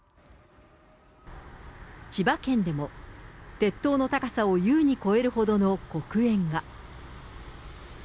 千葉県でも、鉄塔の高さを優に超えるほどの黒煙が。